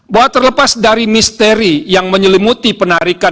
bahwa terlepas dari misteri yang menyelimuti penarikan